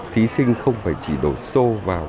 thí sinh không phải chỉ đổ xô vào